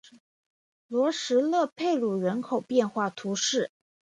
罗什勒佩鲁人口变化图示